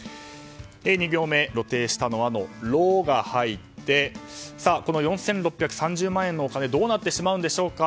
２行目、露呈したのはの「ロ」が入ってこの４６３０万円のお金どうなってしまうんでしょうか。